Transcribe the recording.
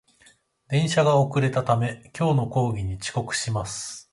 電車が遅れたため、今日の講義に遅刻します